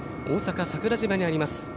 大阪・桜島にあります